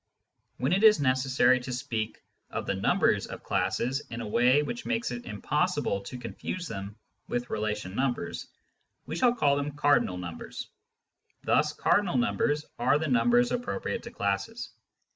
When it is necessary to speak of the numbers of Classes in a way which makes it impossible to confuse them witlt relation numbers, we shall call them " cardinal numbers." Thns cardinal numbers are the numbers appropriate to classes.